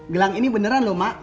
gelang ini beneran lho mak